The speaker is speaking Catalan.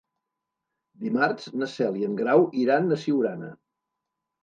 Dimarts na Cel i en Grau iran a Siurana.